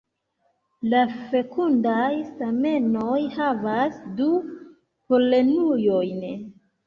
La fekundaj stamenoj havas du polenujojn.